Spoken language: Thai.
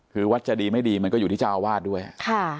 คือวัดจะดีไม่ดีมันก็อยู่ที่เจ้าอาวาสด้วยค่ะ